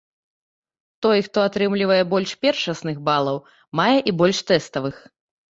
Той, хто атрымлівае больш першасных балаў, мае і больш тэставых.